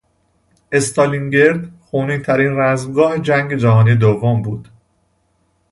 استالینگراد خونینترین رزمگاه جنگ جهانی دوم بود.